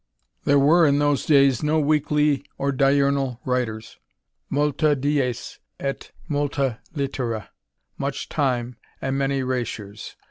There were in those days no weekly or diurnal writers; multa dies, dr* multa liiura, much time, and many rasures, THE RAMBT.